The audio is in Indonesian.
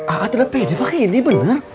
a a tidak pede pakai ini benar